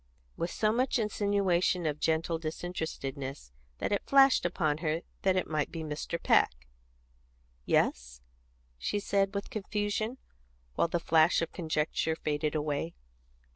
with so much insinuation of gentle disinterestedness, that it flashed upon her that it might be Mr. Peck. "Yes," she said, with confusion, while the flash of conjecture faded away.